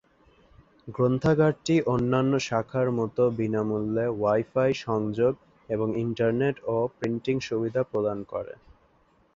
গ্রন্থাগারটি অন্যান্য শাখার মত বিনামূল্যে ওয়াই-ফাই সংযোগ এবং ইন্টারনেট ও প্রিন্টিং সুবিধা প্রদান করে।